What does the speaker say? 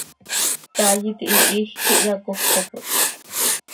Caay iti hihiij quih hyacójopot.